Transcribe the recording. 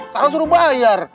taruh suruh bayar